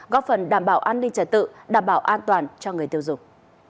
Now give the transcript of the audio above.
góp phần đảm bảo an ninh trải tự đảm bảo an toàn cho người tiêu dụng